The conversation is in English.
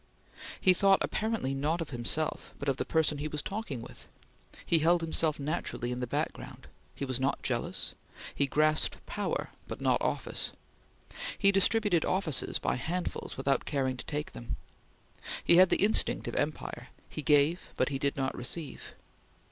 He thought apparently not of himself, but of the person he was talking with. He held himself naturally in the background. He was not jealous. He grasped power, but not office. He distributed offices by handfuls without caring to take them. He had the instinct of empire: he gave, but he did not receive.